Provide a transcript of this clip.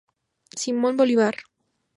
Simón Bolívar.